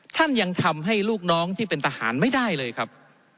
ท่านยังทำให้ลูกน้องที่เป็นทหารไม่ได้เลยครับ